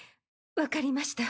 わかりました。